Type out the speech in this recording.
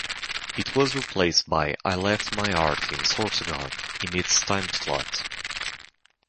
It was replaced by "I Left My Heart in Sorsogon" in its timeslot.